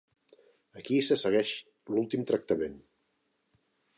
Aquí se segueix l'últim tractament.